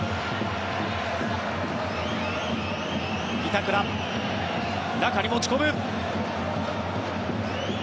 板倉、中に持ち込む。